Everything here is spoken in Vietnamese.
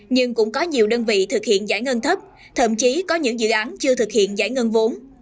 nhưng cũng có nhiều đơn vị thực hiện giải ngân thấp thậm chí có những dự án chưa thực hiện giải ngân vốn